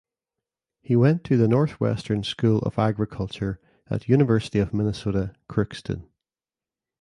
He went to the Northwestern School of Agriculture at University of Minnesota Crookston.